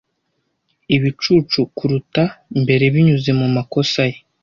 ibicucu kuruta mbere binyuze mumakosa ye